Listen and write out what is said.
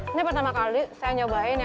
ini pertama kali saya nyobain yang ini